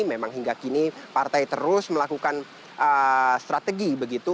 memang hingga kini partai terus melakukan strategi begitu